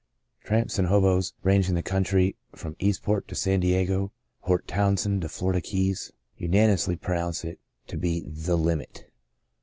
Tramps and hoboes, ranging the country from Eastport to San Diego, Port Townsend to Florida Keys, unani mously pronounce it to be " the limit."